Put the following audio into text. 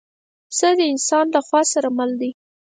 پسه د انسان له پخوا سره مل دی.